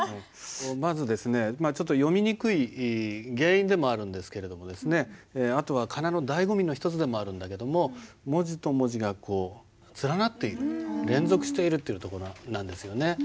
まず読みにくい原因でもあるんですけれどもあとは仮名のだいご味の一つでもあるんだけども文字と文字がこう連なっている連続しているところなんですよね。